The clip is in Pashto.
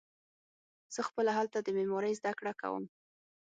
زه خپله هلته د معمارۍ زده کړه کوم.